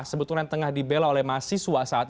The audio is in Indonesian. sebetulnya tengah dibela oleh mahasiswa saat